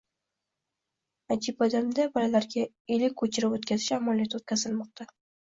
Acıbadem’da bolalarga ilik ko‘chirib o‘tkazish amaliyoti o‘tkazilmoqda